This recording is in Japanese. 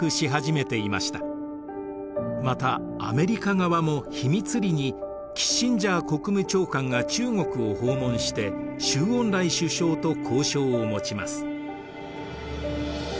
またアメリカ側も秘密裏にキッシンジャー国務長官が中国を訪問して周恩来首相と交渉を持ちます。